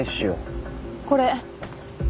これ。